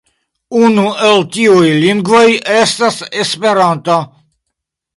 Unu el tiuj lingvoj estas Esperanto.